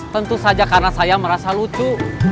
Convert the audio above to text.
tentu saja karena saya merasa lucu